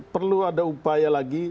perlu ada upaya lagi